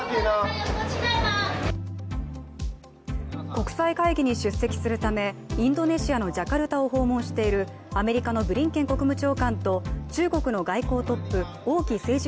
国際会議に出席するためインドネシアのジャカルタを訪問しているアメリカのブリンケン国務長官と中国の外交トップ王毅政治